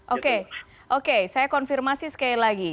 oke oke saya konfirmasi sekali lagi